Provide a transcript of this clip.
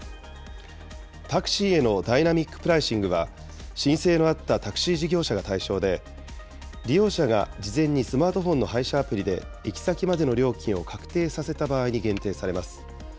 タクシーへのダイナミックプライシングは、申請のあったタクシー事業者が対象で、利用者が事前にスマートフォンの配車アプリで行き先までの料金を確定させた場合に限定されます。